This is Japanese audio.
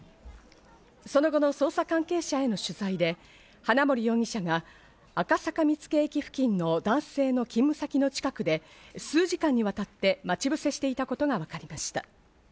その後の捜査関係者への取材で花森容疑者が赤坂見附駅付近の男性の勤務先の近くで、数時間にわたって待ち伏せしていたことがわかりました。